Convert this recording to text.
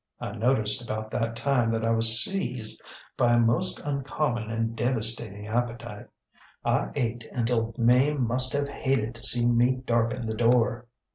I noticed about that time that I was seized by a most uncommon and devastating appetite. I ate until Mame must have hated to see me darken the door.